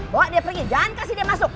bawa dia pergi jangan kasih dia masuk